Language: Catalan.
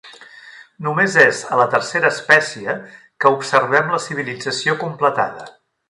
Només és a la tercera espècie que observem la civilització completada.